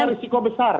punya risiko besar